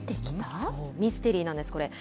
ミステリーなんです、これ。